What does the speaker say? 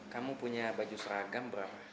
kamu punya baju seragam berapa